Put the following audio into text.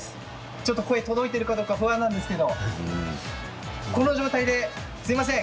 ちょっと声届いてるかどうか不安なんですけどこの状態ですいません！